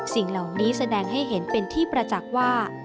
สิ่งเหล่านี้แสดงให้เห็นเป็นที่ประจักษ์ว่า